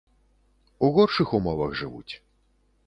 У горшых умовах жывуць.